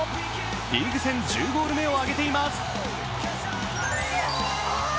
リーグ戦１０ゴール目を挙げています。